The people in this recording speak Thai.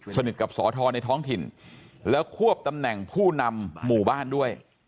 สนิทกับสอทรในท้องถิ่นแล้วควบตำแหน่งผู้นำหมู่บ้านด้วย